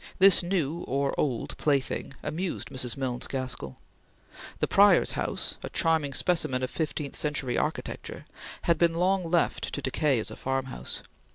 This new, or old, plaything amused Mrs. Milnes Gaskell. The Prior's house, a charming specimen of fifteenth century architecture, had been long left to decay as a farmhouse.